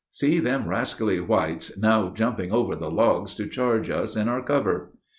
See them rascally whites now jumping over the logs to charge us in our cover."